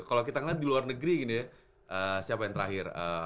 kalau kita lihat di luar negeri siapa yang terakhir